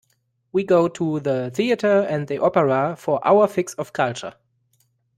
We go to the theatre and the opera for our fix of culture